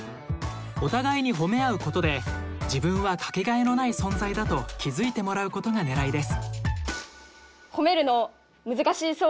お互いにほめ合うことで自分はかけがえのない存在だと気づいてもらうことがねらいです。